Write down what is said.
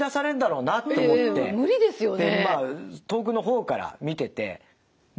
無理ですよね。